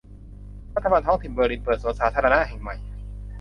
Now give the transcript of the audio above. รัฐบาลท้องถิ่นเบอร์ลิน เปิดสวนสาธารณะแห่งใหม่